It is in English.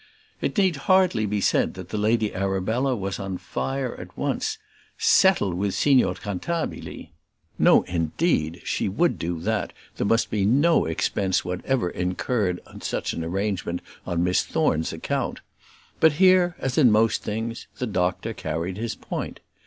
It need hardly be said that the Lady Arabella was on fire at once. Settle with Signor Cantabili! No, indeed; she would do that; there must be no expense whatever incurred in such an arrangement on Miss Thorne's account! But here, as in most things, the doctor carried his point.